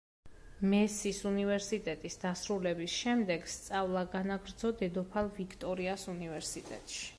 მესის უნივერსიტეტის დასრულების შემდეგ სწავლა განაგრძო დედოფალ ვიქტორიას უნივერსიტეტში.